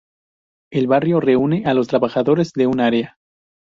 El barrio reúne a los trabajadores de un área.